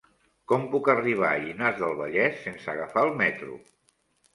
Com puc arribar a Llinars del Vallès sense agafar el metro?